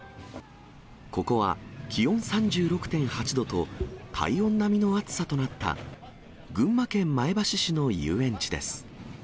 ここは気温３６．８度と、体温並みの暑さとなった、群馬県前橋市の遊園地です。